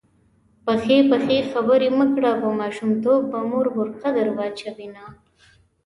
پخې پخې خبرې مه کړه_ په ماشومتوب به مور بورکه در واچوینه